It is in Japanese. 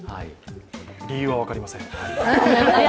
理由は分かりません。